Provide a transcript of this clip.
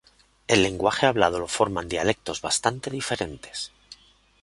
El lenguaje hablado lo formaban dialectos bastante diferentes.